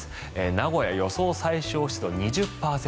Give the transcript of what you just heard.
名古屋、予想最小湿度２０％